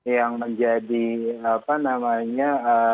yang menjadi apa namanya